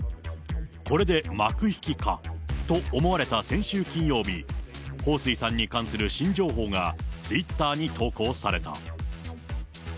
これで幕引きかと思われた先週金曜日、彭帥さんに関する新情報がツイッターに投稿された。